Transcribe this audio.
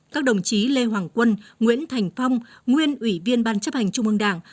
các đồng chí lê hoàng quân nguyễn thành phong nguyên ủy viên ban chấp hành trung ương đảng